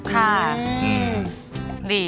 ค่ะดี